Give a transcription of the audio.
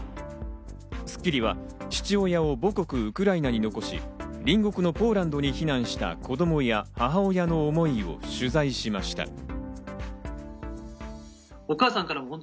『スッキリ』は父親を母国ウクライナに残し、隣国のポーランドに避難した子供や母親の思いを取材しました。